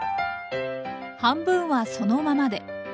半分はそのままで。